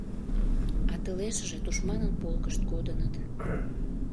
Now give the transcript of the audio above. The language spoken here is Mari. А тылешыже тушманын полкышт кодыныт.